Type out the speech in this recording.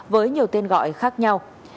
với nhiều tên gọi khác nhau